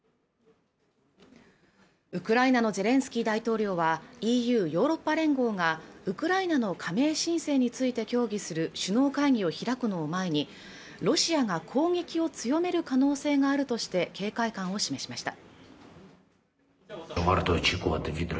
ウクライナのゼレンスキー大統領はＥＵ＝ヨーロッパ連合がウクライナの加盟申請について協議する首脳会議を開くのを前にロシアが攻撃を強める可能性があるとして警戒感を示しました